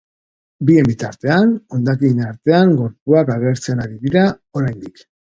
Bien bitartean, hondakinen artean gorpuak agertzen ari dira oraindik.